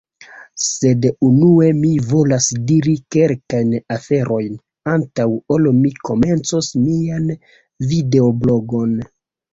Sed unue, mi volas diri kelkajn aferojn, antaŭ ol mi komencos mian videoblogon.